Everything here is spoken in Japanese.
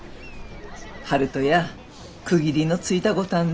悠人や区切りのついたごたっね。